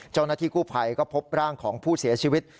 เจ้าหน้าที่กู้ภัยก็พบร่างของผู้เสียชีวิต